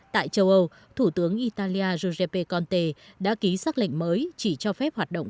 tại châu âu thủ tướng italia giuseppe conte đã ký xác lệnh mới chỉ cho phép hoạt động